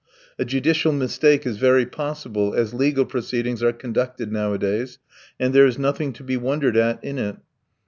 A judicial mistake is very possible as legal proceedings are conducted nowadays, and there is nothing to be wondered at in it.